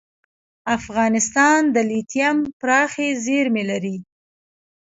افغانستان د لیتیم پراخې زیرمې لري.